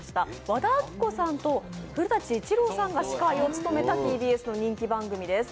和田アキ子さんと古舘伊知郎さんが司会を務めたＴＢＳの人気番組です